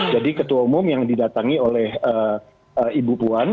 ketua umum yang didatangi oleh ibu puan